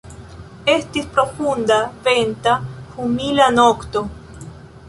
Estis profunda, venta, humida nokto.